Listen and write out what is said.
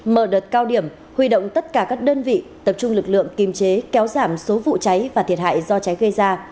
mở đợt cao điểm huy động tất cả các đơn vị tập trung lực lượng kiềm chế kéo giảm số vụ cháy và thiệt hại do cháy gây ra